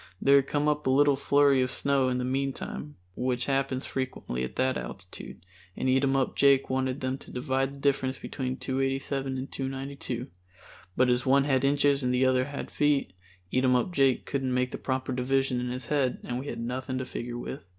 There had come up a little flurry of snow in the meantime, which happens frequently at that altitude, and Eatumup Jake wanted them to divide the difference between 287 and 292, but as one had inches and the other feet, Eatumup Jake couldn't make the proper division in his head and we had nothing to figure with.